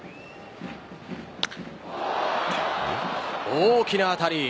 大きな当たり。